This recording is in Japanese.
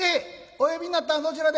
お呼びになったんはどちらで？」。